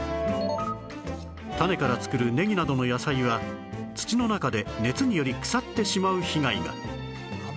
種から作るねぎなどの野菜は土の中で熱により腐ってしまう被害が